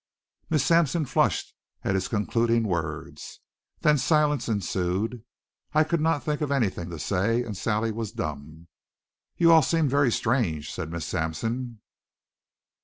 Miss Sampson flushed at his concluding words. Then silence ensued. I could not think of anything to say and Sally was dumb. "You all seem very strange," said Miss Sampson.